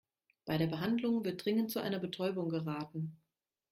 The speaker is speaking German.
Bei der Behandlung wird dringend zu einer Betäubung geraten.